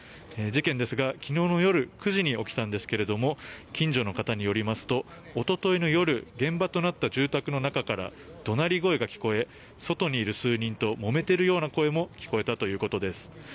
事件ですが昨日夜９時に起きたんですけど近所の方によりますとおとといの夜現場となった住宅の中から怒鳴り声が聞こえ外にいる数人ともめているような声も聞こえたということです。